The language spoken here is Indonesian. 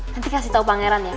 nanti kasih tahu pangeran ya